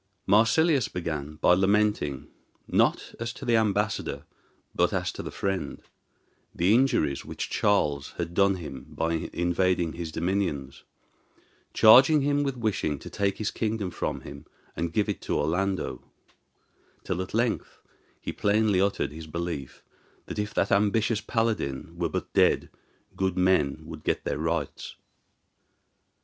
Marsilius began by lamenting, not as to the ambassador, but as to the friend, the injuries which Charles had done him by invading his dominions, charging him with wishing to take his kingdom from him and give it to Orlando; till at length he plainly uttered his belief that if that ambitious paladin were but dead good men would get their rights.